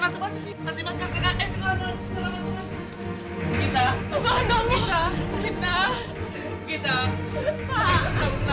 mas raka mas dimas perkenalkan ini istri dan anak saya